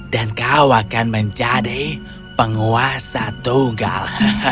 dan kau akan menjadi penguasa tunggal